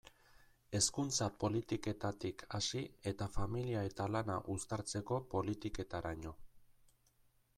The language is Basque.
Hezkuntza politiketatik hasi eta familia eta lana uztartzeko politiketaraino.